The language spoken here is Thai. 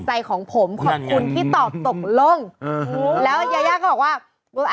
ใจของผมขอบคุณที่ตอบตกลงเออแล้วยายาก็บอกว่าเออ